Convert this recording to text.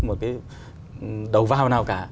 một cái đầu vào nào cả